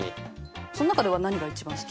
そん中では何が一番好き？